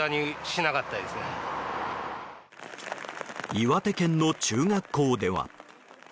岩手県の中学校では。